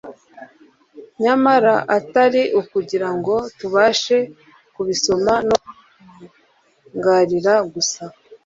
nyamara atari ukugira ngo tubashe kubisoma no kubitangarira gusa